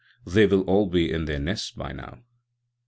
They will all be in their nests by now."